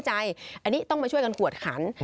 อันนี้ต้องมาช่วยกันกวดขัน